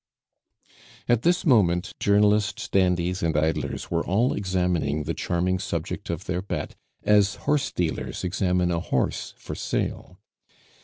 At this moment journalists, dandies, and idlers were all examining the charming subject of their bet as horse dealers examine a horse for sale.